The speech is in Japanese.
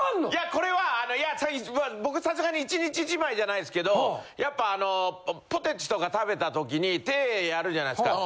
これは僕さすがに１日１枚じゃないですけどやっぱポテチとか食べた時に手やるじゃないですか。